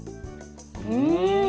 うん！